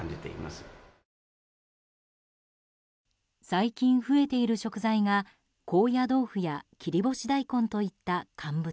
最近増えている食材が高野豆腐や切り干し大根といった乾物。